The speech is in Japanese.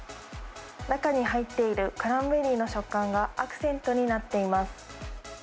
中に入っているクランベリーの食感がアクセントになっています。